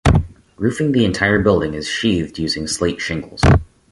Roofing of the entire building is sheathed using slate shingles.